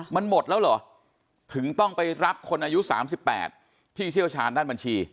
มันหมดแล้วเหรอถึงต้องไปรับคนอายุ๓๘ที่เชี่ยวชาญด้านบัญชี